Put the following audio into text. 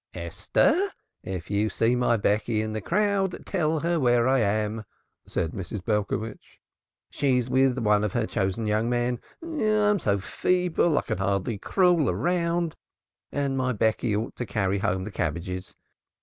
"Esther, if you should see my Becky in the crowd, tell her where I am," said Mrs. Belcovitch. "She is with one of her chosen young men. I am so feeble, I can hardly crawl around, and my Becky ought to carry home the cabbages.